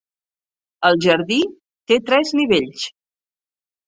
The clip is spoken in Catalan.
El jardí té tres nivells.